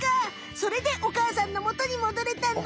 それでお母さんのもとにもどれたんだ！